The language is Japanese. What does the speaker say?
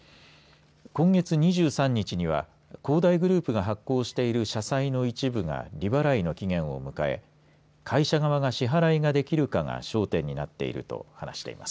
今月２３日には恒大グループが発行している社債の一部が利払いの期限を迎え会社側が支払いができるかが焦点になっていると話しています。